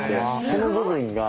この部分が。